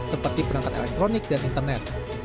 seperti perangkat elektronik dan internet